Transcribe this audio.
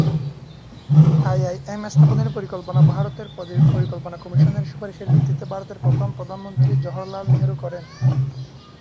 IIM স্থাপনের পরিকল্পনা ভারতের পরিকল্পনা কমিশনের সুপারিশের ভিত্তিতে ভারতের প্রথম প্রধানমন্ত্রী জওহরলাল নেহেরু করেন।